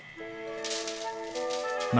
何？